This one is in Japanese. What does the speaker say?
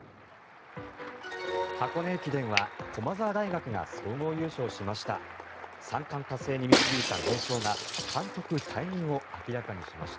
箱根駅伝は駒澤大学が総合優勝しました。